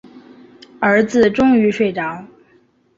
儿子终于睡着